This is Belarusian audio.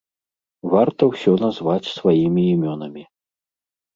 Варта ўсё назваць сваімі імёнамі.